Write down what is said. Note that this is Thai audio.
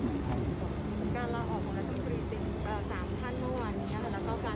ที่จะตั้งรองหัวหน้าพัดสิบท่านแล้วก็คุ้มรายการครับใหม่ท่าน